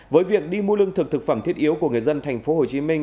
với việc đi mua lương thực thực phẩm thiết yếu của người dân thành phố hồ chí minh